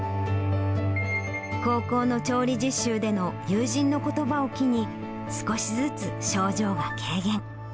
高校の調理実習での友人のことばを機に、少しずつ症状が軽減。